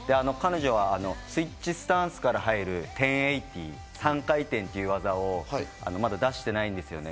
彼女はスイッチスタンスから入る１０８０、３回転という技をまだ出してないんです。